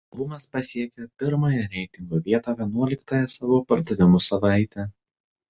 Albumas pasiekė pirmąją reitingo vietą vienuoliktąją savo pardavimų savaitę.